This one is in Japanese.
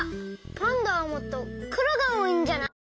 パンダはもっとくろがおおいんじゃない？